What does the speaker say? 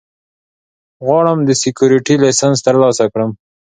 غواړم د سیکیورټي لېسنس ترلاسه کړم